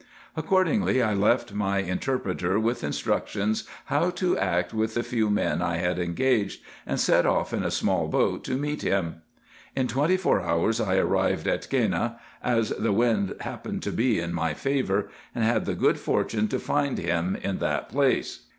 Accordingly, I left my inter preter, with instructions how to act with the few men I had engaged, and set off in a small boat to meet him. In twenty four IN EGYPT, NUBIA, &c. 155 hours I arrived at Gheneh, as the wind happened to be in my favour, and had the good fortune to find him at that place.